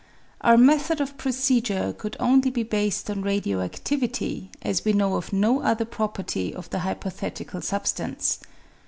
Our method of procedure could only be based on radio adivity, as we know of no other property of the hypothetical substance.